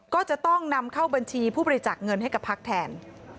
ก็จะต้องนำเข้าบัญชีผู้บริจาคเงินให้กับพักแทน